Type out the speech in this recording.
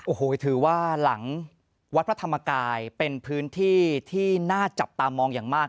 โอ้โหถือว่าหลังวัดพระธรรมกายเป็นพื้นที่ที่น่าจับตามองอย่างมาก